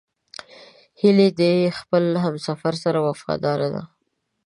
هیلۍ د خپل همسفر سره وفاداره ده